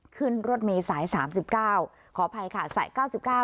ขึ้นรถเมย์สายสามสิบเก้าขออภัยค่ะสายเก้าสิบเก้า